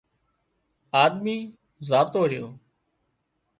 آۮمي زاتو ريو